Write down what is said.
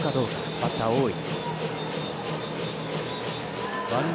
バッター、大井。